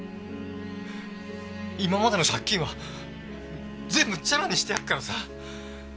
今までの借金は全部チャラにしてやっからさ。